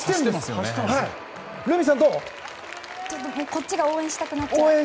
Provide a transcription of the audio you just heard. こっちが応援したくなっちゃう。